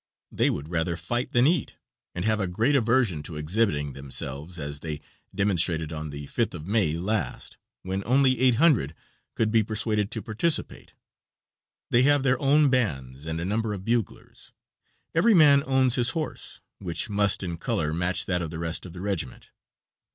They would rather fight than eat, and have a great aversion to exhibiting themselves, as they demonstrated on the 5th of May last, when only 800 could be persuaded to participate. They have their own bands and a number of buglers. Every man owns his horse, which must in color match that of the rest of the regiment.